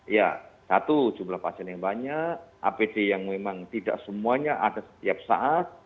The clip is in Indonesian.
ya satu jumlah pasien yang banyak apd yang memang tidak semuanya ada setiap saat